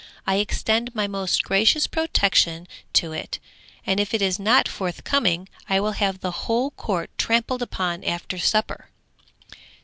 I extend my most gracious protection to it, and if it is not forthcoming, I will have the whole court trampled upon after supper!'